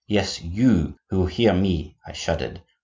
Yes, you, who hear me!' I shuddered.